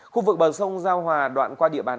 khu vực bờ sông giao hòa đoạn qua địa bàn